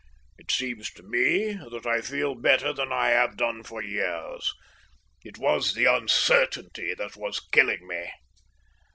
It seems to me that I feel better than I have done for years. It was the uncertainty that was killing me."